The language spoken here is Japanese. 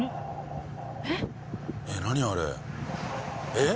えっ？